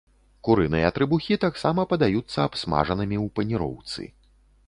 Курыныя трыбухі таксама падаюцца абсмажанымі ў паніроўцы.